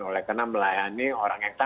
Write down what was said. oleh karena melayani orang yang tadi